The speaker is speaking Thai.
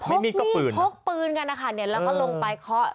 พกมีดพกปืนกันนะคะแล้วก็ลงไปเขา